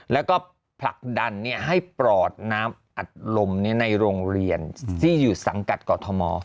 แล้วก็ผลักดันให้ปลอดน้ำอัดลมในโรงเรียนที่อยู่สังกัดกอทม